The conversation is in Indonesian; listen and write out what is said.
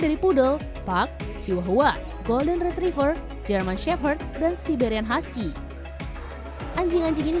dari pudel park jiwahua golden retriever jerman shepherd dan siberian husky anjing anjing ini